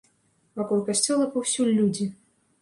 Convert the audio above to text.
Вакол касцёла паўсюль людзі.